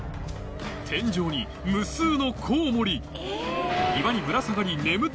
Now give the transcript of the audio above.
天井に無数のコウモリ